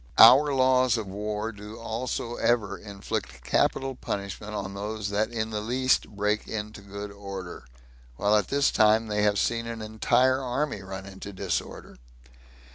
Our laws of war do also ever inflict capital punishment on those that in the least break into good order, while at this time they have seen an entire army run into disorder.